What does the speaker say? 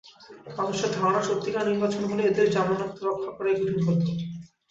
মানুষের ধারণা, সত্যিকার নির্বাচন হলে এঁদের জামানত রক্ষা করাই কঠিন হতো।